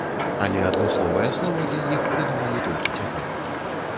Але адмысловае слова для іх прыдумалі толькі цяпер.